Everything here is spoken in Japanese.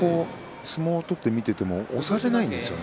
相撲を取っていても押されないんですね